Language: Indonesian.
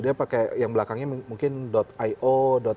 dia pakai yang belakangnya mungkin io apa yang berbeda